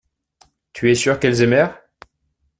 Tu es sûr qu’elles aimèrent.